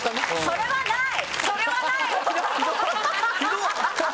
それはない！